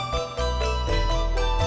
funduh bil samen kamu